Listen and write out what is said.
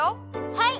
はい！